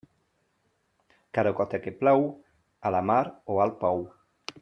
Cada gota que plou, a la mar o al pou.